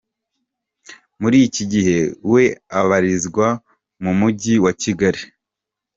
Muri iki gihe we abarizwa mu Mujyi wa Kigali.